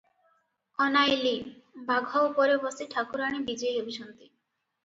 ଅନାଇଲି, ବାଘ ଉପରେ ବସି ଠାକୁରାଣୀ ବିଜେ ହେଉଛନ୍ତି ।